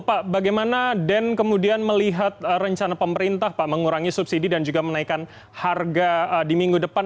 pak bagaimana den kemudian melihat rencana pemerintah pak mengurangi subsidi dan juga menaikkan harga di minggu depan